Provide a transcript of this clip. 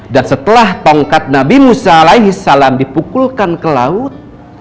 dan setelah tongkat nabi musa alaihissalam dipukulkan ke laut